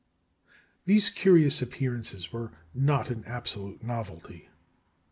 " These curious appearances were not an absolute novelty.